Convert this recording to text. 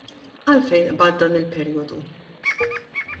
Għalfejn qbadt dan il-perijodu?